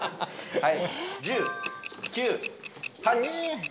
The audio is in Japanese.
はい。